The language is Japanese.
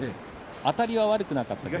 あたりは悪くなかった。